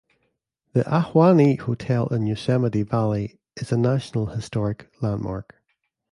The Ahwahnee Hotel, in Yosemite Valley, is a National Historic Landmark.